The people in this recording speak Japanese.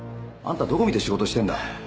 あんたどこ見て仕事してるんだ？